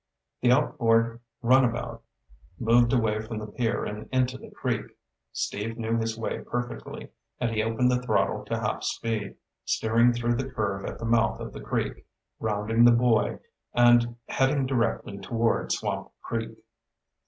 The outboard runabout moved away from the pier and into the creek. Steve knew his way perfectly, and he opened the throttle to half speed, steering through the curve at the mouth of the creek, rounding the buoy, and heading directly toward Swamp Creek.